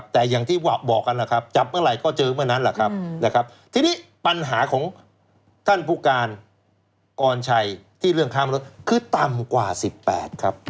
แต่อย่างที่บอกกันจับเมื่อไหร่ก็เจอเมื่อนั้นทีนี้ปัญหาของท่านผู้การกรชัยที่เรื่องค้าบริการคือต่ำกว่า๑๘ครับ